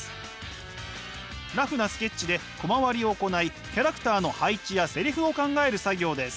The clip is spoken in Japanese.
ラフなスケッチでコマ割りを行いキャラクターの配置やセリフを考える作業です。